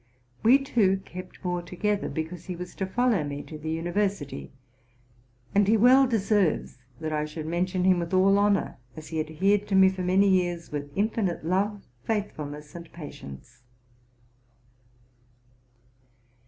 We two kept more together because he was to follow me to the university; and he well deserves that I should mention him with all honor, as he ad hered to me for many years with infinite love, faithfulness, and patience.